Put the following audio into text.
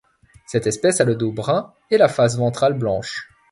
Cette espèce a le dos brun et la face ventrale blanche.